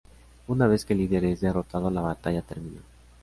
Una vez que el líder es derrotado, la batalla termina.